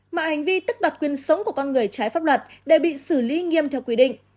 mọi hành vi tức đặt quyền sống của con người trái pháp luật đều bị xử lý nghiêm theo quy định